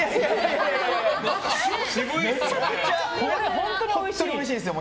これ、本当においしいんですよ。